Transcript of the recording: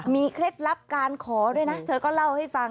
เคล็ดลับการขอด้วยนะเธอก็เล่าให้ฟัง